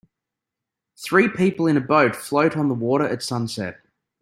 Three people in a boat float on the water at sunset.